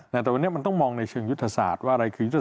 แต่วันนี้มันต้องมองในเชิงยุทธศาสตร์ว่าอะไรคือยุทธศ